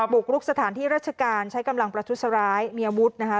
บุกลุกสถานที่ราชการใช้กำลังประทุสร้ายเมียวุฒินะครับ